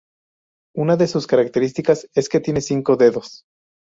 Una de sus características es que tiene cinco dedos.